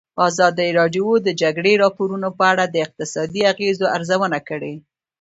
ازادي راډیو د د جګړې راپورونه په اړه د اقتصادي اغېزو ارزونه کړې.